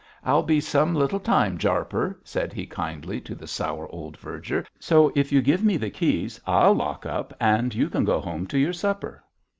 'I'll be some little time, Jarper,' said he kindly to the sour old verger, 'so if you give me the keys I'll lock up and you can go home to your supper.'